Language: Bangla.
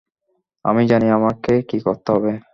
আমি জানি আমাকে কী করতে হবে।